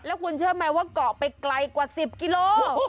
แล้วคุณเชิญไหมว่ากะไปไกลกว่าสิบกิโล